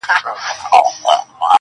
په پای کي هر څه بې ځوابه پاتې کيږي